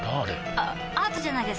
あアートじゃないですか？